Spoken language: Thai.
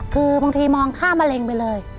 คือบางทีมองข้ามมะเร็งไปเลย